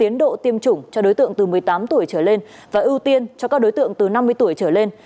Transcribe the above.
cho các đối tượng từ một mươi tám tuổi trở lên và ưu tiên cho các đối tượng từ năm mươi tuổi trở lên